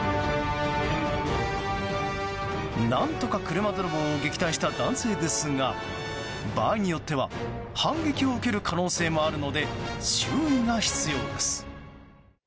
何とか車泥棒を撃退した男性ですが場合によっては反撃を受ける可能性もあるので注意が必要です。